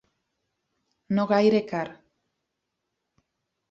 No gaire car.